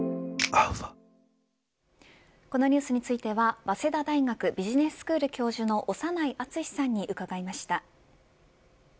このニュースについては早稲田大学ビジネススクール教授の長内厚さんに伺いました。